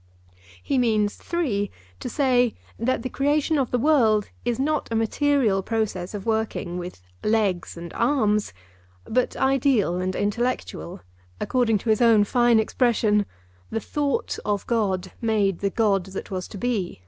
He means (3) to say that the creation of the world is not a material process of working with legs and arms, but ideal and intellectual; according to his own fine expression, 'the thought of God made the God that was to be.